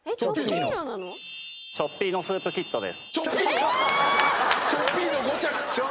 チョッピーノスープキットです。